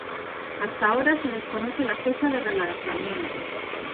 Hasta ahora se desconoce la fecha del relanzamiento.